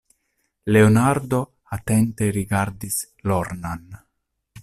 Leonardo atente rigardis Lornan.